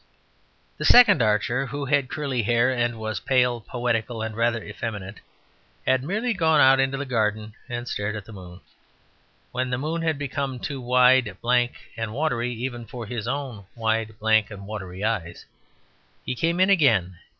The second archer, who had curly hair and was pale, poetical, and rather effeminate, had merely gone out into the garden and stared at the moon. When the moon had become too wide, blank, and watery, even for his own wide, blank, and watery eyes, he came in again.